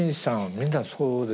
みんなそうでした。